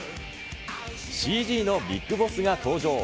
ＣＧのビッグボスが登場。